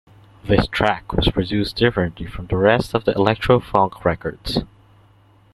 This track was produced differently from the rest of the electro-funk records.